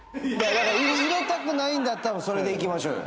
入れたくないんだったらそれでいきましょうよ。